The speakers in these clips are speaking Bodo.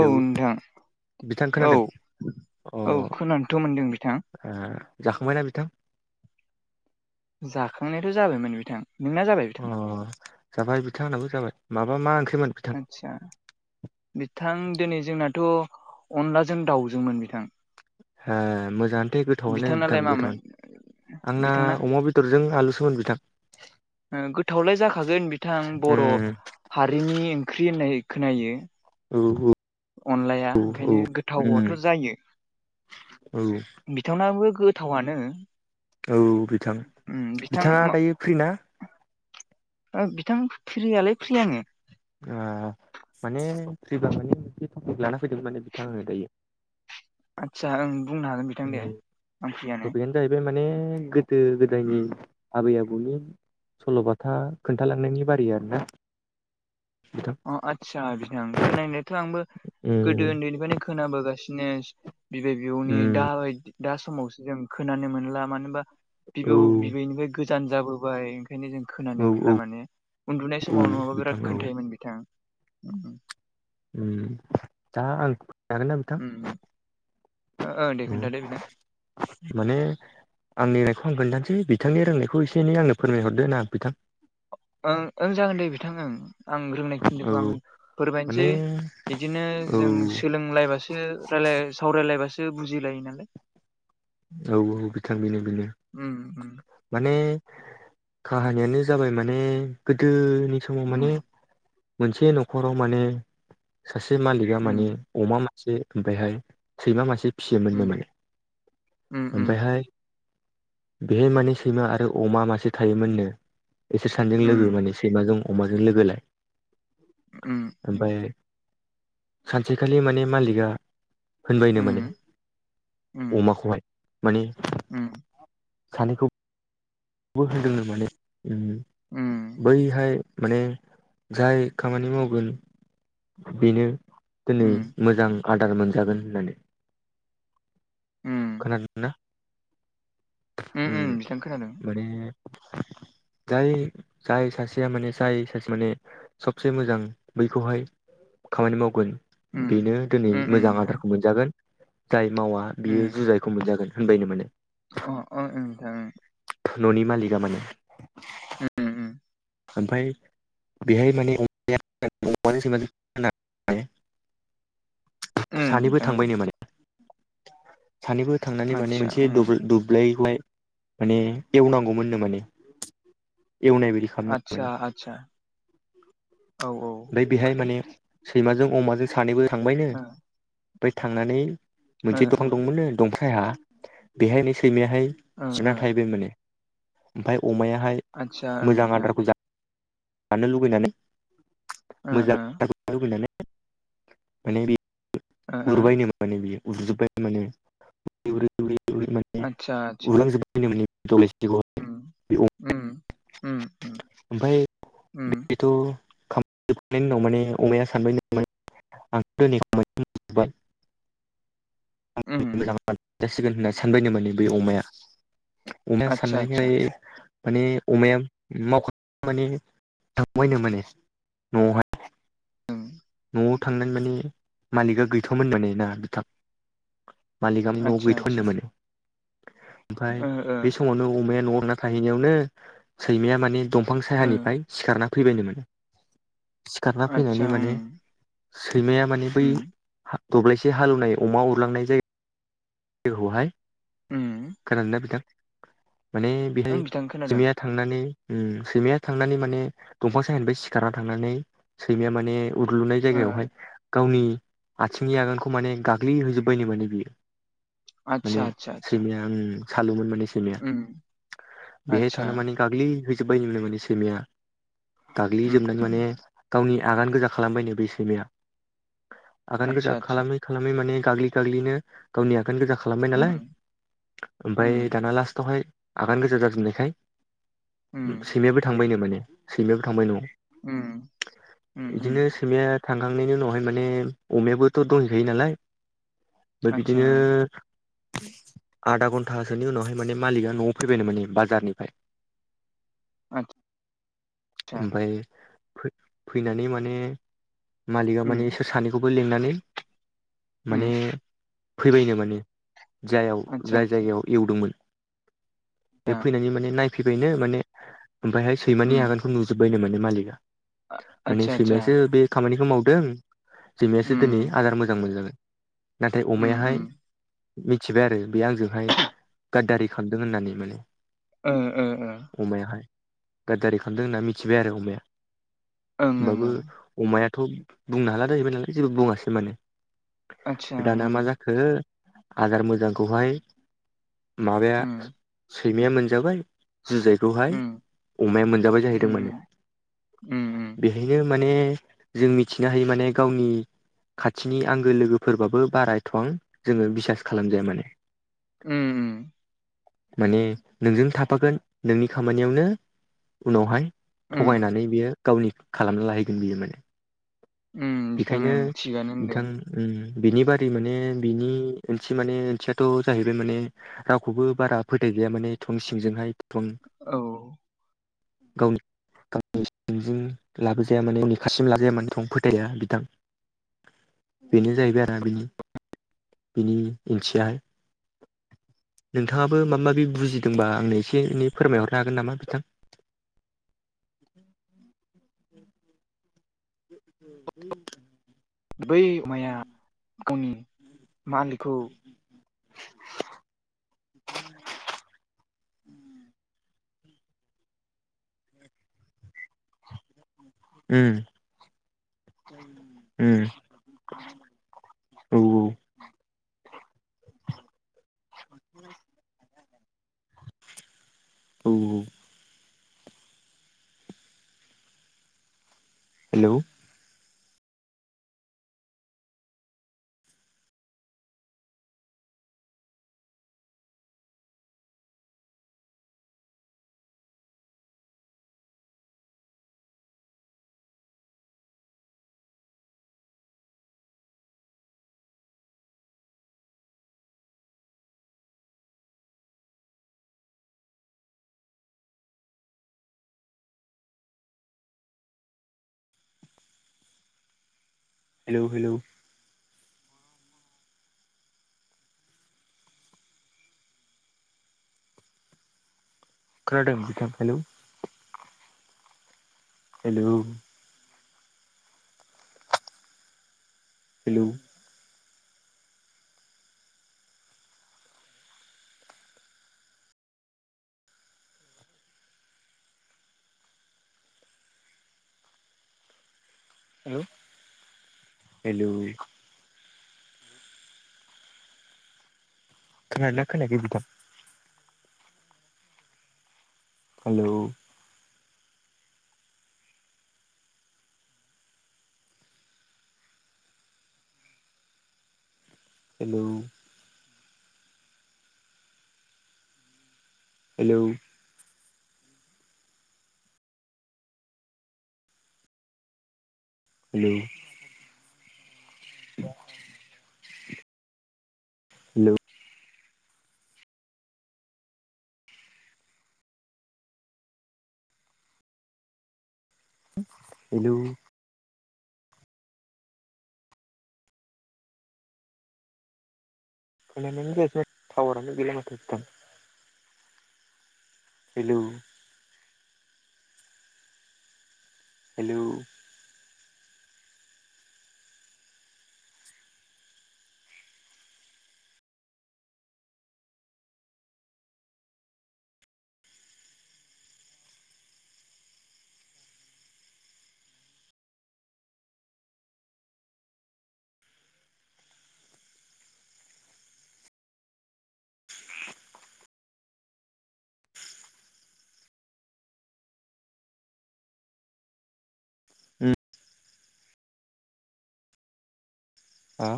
औ नोंथां बिथां औ खोनादों अ ओ औ खोनानोथ' मोनदों बिथां जाखांबायना बिथां जाखांनायाथ' जाबायमोन बिथां नोंना जाबाय अ बिथां जाबाय बिथां आंनाबो जाबाय माबा मा ओंख्रै आतसा बिथां दिनै जोंनाथ' अनलाजों दाउजोंमोन बिथां। ओ मोजाङानोथे गोथावनो बिथांनालाय मामोन गोथावनो आंना बिथांना अमा बेदरजों आलु सोमोन बिथां ओ गोथावलाय जाखागोन बिथां बर' उम हारिनि ओंख्रि होननाय खोनायो। औ अनलाया औ औ ओंखायनो उम गोथावआथ' जायो औ बिथांनाबो गोथावानो औ बिथां बिथाङा दायो फ्रि ना ओ बिथां फ्रियालाय फ्रि आङो अ माने फैबा माने मोनसे थटपिक लाना फैदों माने बिथाङा होनो दायो आदसा ओ बुंनो हागोन बिथां उम दे आं फ्रियानो। टपिकआनो जाहैबाय माने उम गोदो-गोदायनि आबै-आबौ नि सल'बाथा खोन्थालांनायनि बारै आरो ना अ आदसा बिदिं खोनानायाथ' आंबो उम गोदो उन्दैनिफ्रायनो खोनाबोगासिनो बिदिनो बिबै बिबौनि उम दाबायदि दा समावसो जों खोनानो मोनला मानो होनबा औ बिबौ बिबैनिफ्राय गोजान जाबोबाय बेखायनो जों औ खोनानो मोनला औ माने उन्दुनाय औ समाव नङाबा बिथां बिराद औ खोनथायोमोन बि [inaudible] उ दा आं हागोन ना बिथां ओं दे खोन्थादो बिथां माने आंनि बे आं खोन्थानोसै बिथांनि रोंनायखौ एसे एनै आंनो फोरमायहरदो नां बिथां ओं ओं जागोन दे बिथां ओं आं रोंनाय औ खिन्दोखौ आं फोरमायनोसै माने बिदिनो औ जों सोलोंलायबासो रायला सावरायलायबासो बुजिलायो नालाय औ औ बिथां बेनो बेनो उम उम माने काहानियानो जाबाय माने गोदोनि समाव माने मोनसे न'खराव माने सासे मालिका माने उम अमा से ओमफायहाय सैमा मासे फिसियोमोननो उम माने उम उम ओमफायहाय बेहाय माने सैमा आरो अमा मासे थायोमोननो। बिसोर सानजों लोगो उम माने सैमाजों अमाजों लोगोलाय उम सानसेखालि माने मालिकआ उम होनबायनो माने उम अमाखौहाय मानि उम सानैखौ बो होनदोंनो माने उम बैहाय माने जाय खामानि मावगोन बेनो दिनै उम मोजां आदार मोनजागोन होननानै उम खोनादों ना? उम बे जाय जाय सासेया माने जाय सासे माने सबसे मोजां बैखौहाय खामानि मावगोन उम बेनो दिनै उम मोजां बिथां आदारखौ मोनजागोन जाय मावा उम बियो जुजायखौ मोनजागोन। होनबायनो माने अ अ ओं नोंथां ओं न'नि मालिका माने उम ओमफाय बेहाय माने [unintelligible] उम सानैबो बिथां थांबायनो माने‌ सानैबो थांनानै माने आदसा मोनसे उम दुब्लै- दुब्लैहाय माने एवनांगौमोननो माने एवनाय बायदि खालामनांगौ आतसा आतसा औ औ ओमफ्राय बेहाय ओमफाय? माने सैमाजों अमाजों सानैबो थांबायनो ओमफाय थांनानै ओ मोनसे ओ दखान दंमोननो [unintelligible] बेहायनो सैमाहाय ओ ओ जिना थाहैबाय माने ओमफाय अमायाहाय आदसा ओं मोजां बिथां आदारखौ जा जानो लुबैनानै ओ मोजां [unintelligible] माने बे ओ ओ उरबायनो माने बेयो उरजोबबाय माने [unintelligible] उरै माने आदसा आदसा उरलांजोब्बायनो माने उम दब्लायसेखौहाय उम उम उम ओमफाय उम बेथ' [unintelligible] उनाव माने अमाया सानबाय नो माने उम [unintelligible] [unintelligible] जासिगोन होनना सानबायनो माने बे अमाया अमाया आदसा आदसा साननायखाय माने अमाया मावख माने थांबायनो माने न'आवहाय उम न'आव थांनानै माने मालिकआ गैथ'वामोन ना बिथां मालिकावानि न'आव आदसा गैथ' होननो आदसा मोने ओमफाय ओ ओ बे समावनो अमाया न'आव थांना थैहैनायावनो सैमाया माने दंफां ओ सायानिफ्राय सिखारना फैबायनो माने सिखारना आदसा फैनानै उम माने सैमाया माने बै उम दब्लायसे हालेवनाय अमा उरलांनाय जायो [unintelligible] हाय उम खोनादोंना बिथां माने ओं बेहाय बिथां खोनादों सैमाया थांनानै उम सैमाया थांनानै माने दंफां सायहानिफ्राय सिखारना थांनानै सैमाया माने उरलुनाय ओ जायगायावहाय गावनि आथिंनि आगानखौ माने गाग्लिहोजोबबायनो माने बियो माने आतसा आतसा आतसा सैमाया उम सालुमोन माने सैमाया उम बेहाय आतसा थांना माने गाग्लिहैजोबबाय [unintelligible] माने सैमाया। उम गाग्लिजोबनानै माने गावनि आगान गोजा खालामबायनो बे सैमाया। आगान गोजा आतसा आतसा खालामै खालामै माने गाग्लि गाग्लिनो गावनि आ गान गोजा खालामबाय उम नालाय ओमफ्राय उम दाना लास्टआवहाय आगान गोजा जाजोबनायखाय उम सैमायाबो थांबायनो माने सैमायाबो थांबाय न'आव। उम उम उम बिदिनो सैमाया थांखांनायनि उनावहाय माने अमायाबोथ' दंहैखायो नालाय। ओमफ्राय आतसा बिदिनो उम आधा घन्टासोनि उनावहाय माने मालिका न'आव फैबायनो माने बाजारनिफ्राय आतसा ओमफ्राय फैनानै माने मालिकआ उम माने इसोर सानैखौबो लिंनानै उम माने फैबायनो माने जायाव आतसा जाय आतसा जायगायाव एवदोंमोन। बे दा फैनानै माने नायफैबायनो माने ओमफ्रायहाय उम सैमानि आगानखौ नुजोब्बायनो माने मालिकआ। माने आतसा आतसा सैमायासो बे खामानिखौ मावदों सैमायासो दिनै उम आदार मोजां मोनजागोन। नाथाय उम अमायाहाय उम मिथिबाय आरो बे आंजोंहाय गाददारि खालामदों होननानै माने। ओ ओ ओ गाददारि खामदों होनना मिथिबाय आरो अमाया ओं ओं होमबाबो ओं अमाया थ' बुंनो हाला जाहैबाय नालाय जेबो बुङासै माने। आतसा दाना उम मा जाखो आदार मोजांखौहाय माबाया उम सैमाया मोनजाबाय जुजायखौहाय उम अमाया मोनजाबाय जाहैदों माने उम उम बेहायनो माने जों मिथिनो हायो माने गावनि खाथिनि आंगो लोगोफोरबाबो बारा एथ'बां जोङो बिसास खालामजाया माने। उम माने नोंजों थाफागोन नोंनि खामानियावनो उनावहाय उम थगायनानै बियो गावनि खालामना लाहैगोन बियो माने उम बिथां बेखायनो ओं थिगानो होनदों बिथां। ओरै माने बिनि ओंथि माने ओंथियाथ' जाहैबायमाने रावखौबो बारा फोथाय जाया माने थं सिंजोंहाय थं औ गावनि गावनि सिंजों लाबोजाया माने [unintelligible] लाबोजाया माने थं फोथाया बिथां बेनो जाहैबाय आरो बिनि बिनि ओंथियाहाय। नोंथाङाबो माबा माबि बुजिदोंबा आंनो एसे एनै फोरमायहरनो हागोन नामा बिथां? [inaudible] [inaudible] बै अमाया गावनि मालिकखौ [inaudible] उम उम औ औ औ औ हेलौ हेलौ हेलौ खोनादों बिथां हेलौ हेलौ हेलौ हेलौ खोनादोंना खोनायाखै नोंथां? Hello hello hello hello hello hello थावारानो गैला माथो नोंथां हेलौ हेलौ उम हा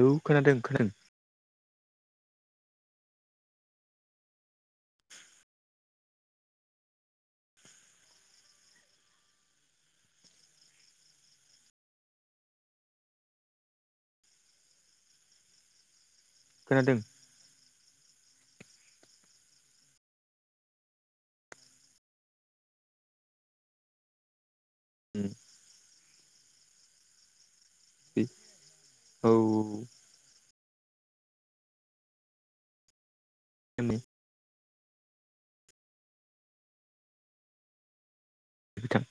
औ खोनादों खोनादों खोनादों उम [unintelligible] औ [inaudible] बिथां